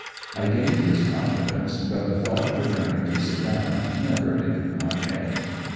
I gained his confidence, but the thought of returning to Savannah never entered my head.